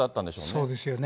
そうですよね。